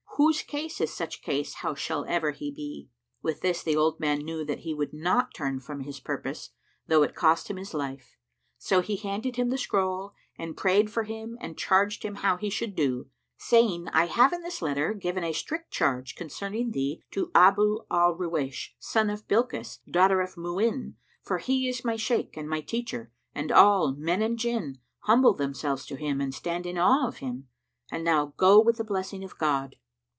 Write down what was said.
* Whose case is such case how shall ever he be?" With this the old man knew that he would not turn from his purpose, though it cost him his life; so he handed him the scroll and prayed for him and charged him how he should do, saying "I have in this letter given a strict charge concerning thee to Abú al Ruwaysh,[FN#112] son of Bilkís, daughter of Mu'in, for he is my Shaykh and my teacher, and all, men and Jinn, humble themselves to him and stand in awe of him. And now go with the blessing of God."